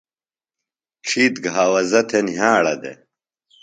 ڇِھیتر گھاوزہ تھےۡ نِھیاڑہ دےۡ۔